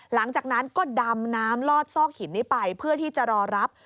หลังจากนั้นก็ดำน้ำลอดซอกหินนี้ไปเพื่อที่จะรอรับ